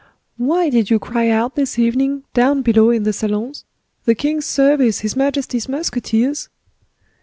"Why did you cry out this evening, down below in the salons—'The king's service! His majesty's musketeers!